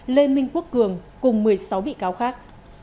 lê minh quốc cường cùng một mươi sáu bị cáo khác